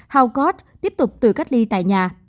helgort tiếp tục tự cách ly tại nhà